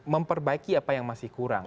memperbaiki apa yang masih kurang